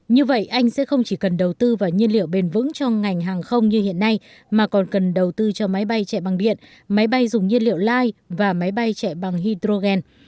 như vậy anh sẽ không chỉ cần đầu tư vào nhiên liệu bền vững cho ngành hàng không như hiện nay mà còn cần đầu tư cho máy bay chạy bằng điện máy bay dùng nhiên liệu life và máy bay chạy bằng hydrogen